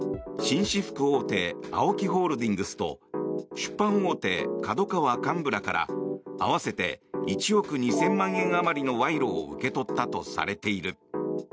紳士服大手ＡＯＫＩホールディングスと出版大手ＫＡＤＯＫＡＷＡ幹部らから合わせて１億２０００万円あまりのわいろを受け取ったとされている。